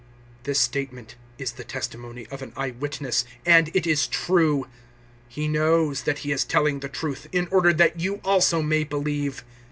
019:035 This statement is the testimony of an eye witness, and it is true. He knows that he is telling the truth in order that you also may believe.